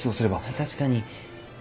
確かに。